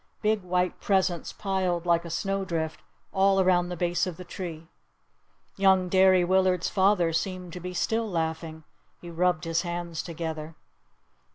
Big white presents piled like a snowdrift all around the base of the tree! Young Derry Willard's father seemed to be still laughing. He rubbed his hands together.